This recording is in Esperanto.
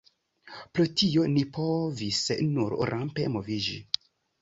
Pro tio ni povis nur rampe moviĝi.